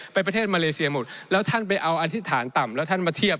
ประเทศมาเลเซียหมดแล้วท่านไปเอาอธิษฐานต่ำแล้วท่านมาเทียบ